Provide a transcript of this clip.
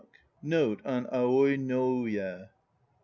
NOTE ON Aoi No UYE.